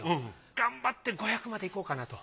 頑張って５００までいこうかなと。